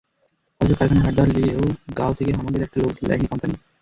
অথচ কারখানা ঝাট দেবার লিয়েও গঁাও থেকে হামাদের একটা লোক লেয়নি কোম্পানি।